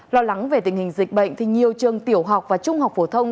lo lắng về tình hình dịch bệnh thì nhiều trường tiểu học và trung học phổ thông